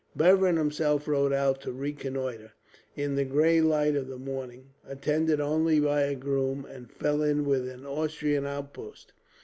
Bevern himself rode out to reconnoitre, in the gray light of the morning, attended only by a groom, and fell in with an Austrian outpost.